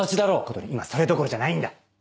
コトリン今それどころじゃないんだ。